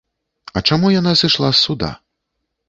А чаму яна сышла з суда?